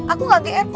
aku gak gr kok